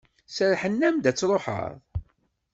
Serrḥen-am-d ad d-truḥeḍ?